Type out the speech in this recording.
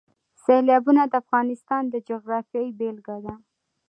سیلابونه د افغانستان د جغرافیې بېلګه ده.